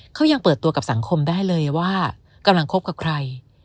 เขายังเปิดตัวกับสังคมได้เลยว่ากำลังคบกับใคร